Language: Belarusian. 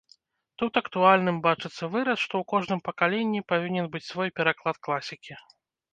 Тут актуальным бачыцца выраз, што ў кожным пакаленні павінен быць свой пераклад класікі.